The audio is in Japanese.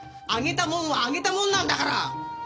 あげたもんはあげたもんなんだから！